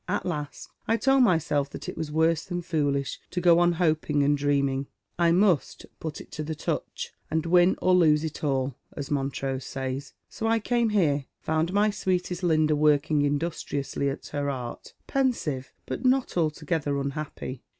At last I told myself that it was worse than foolish to go on hoping and dreaming. I must ' put it to the touch, and win or lose it all,' as Montrose says. So I came here, found my Bweetest Linda working industriously at her art, pensive, but not altogether unhappy.